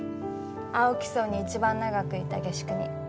青木荘に一番長くいた下宿人。